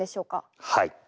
はい。